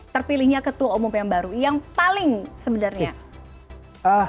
terpilihnya ketua umum yang baru yang paling sebenarnya